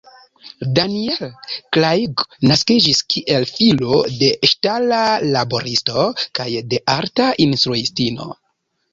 Daniel Craig naskiĝis kiel filo de ŝtala laboristo kaj de arta instruistino.